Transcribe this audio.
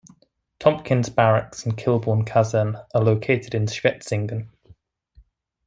Tompkins Barracks and Kilbourne Kaserne are located in Schwetzingen.